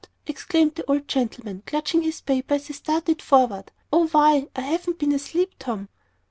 exclaimed the old gentleman, clutching his paper as he started forward. "Oh, why, I haven't been asleep, Tom."